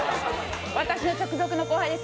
私、直属の後輩です。